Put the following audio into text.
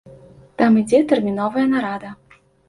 Там ідзе тэрміновая нарада.